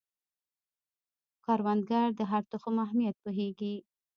کروندګر د هر تخم اهمیت پوهیږي